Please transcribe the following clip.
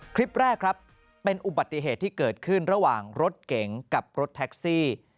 คลิปแรกครับเป็นอุบัติเหตุที่เกิดขึ้นระหว่างรถเก๋งกับรถแท็กซี่